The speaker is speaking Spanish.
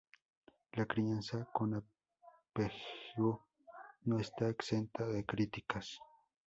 La crianza con apego no está exenta de críticas.